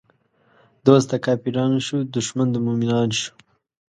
دوست د کافرانو شو، دښمن د مومنانو شو